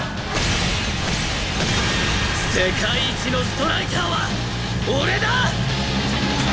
世界一のストライカーは俺だ！！